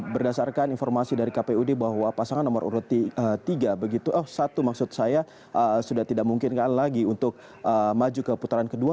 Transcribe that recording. berdasarkan informasi dari kpud bahwa pasangan nomor urut tiga begitu oh satu maksud saya sudah tidak mungkin lagi untuk maju ke putaran kedua